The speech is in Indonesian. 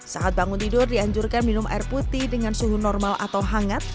saat bangun tidur dianjurkan minum air putih dengan suhu normal atau hangat